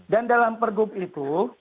dan dalam pergub itu